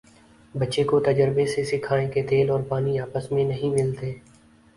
بچے کو تجربے سے سکھائیں کہ تیل اور پانی آپس میں نہیں ملتے